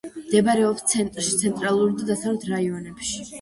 მდებარეობს ცენტრში, ცენტრალურ და დასავლეთ რაიონებში.